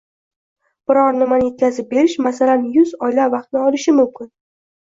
Biror nimani yetkazib berish, masalan, yuz oylab vaqtni olishi mumkin.